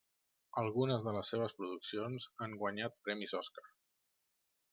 Algunes de les seves produccions han guanyat premis Òscar.